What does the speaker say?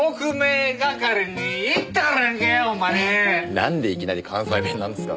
なんでいきなり関西弁なんですか？